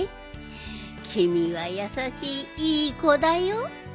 きみはやさしいいいこだよ。